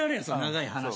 長い話は。